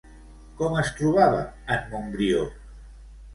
Com es trobava en Montbrió?